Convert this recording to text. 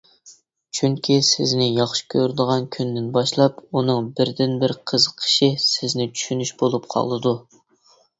چۈنكى سىزنى ياخشى كۆرىدىغان كۈندىن باشلاپ ئۇنىڭ بىردىنبىر قىزىقىشى سىزنى چۈشىنىش بولۇپ قالىدۇ.